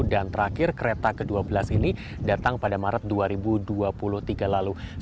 dan terakhir kereta ke dua belas ini datang pada maret dua ribu dua puluh tiga lalu